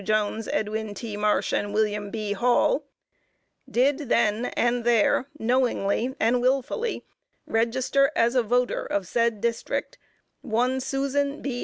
Jones, Edwin T. Marsh and William B. Hall, _did then and, there knowingly and wilfully register as a voter of said District, one Susan B.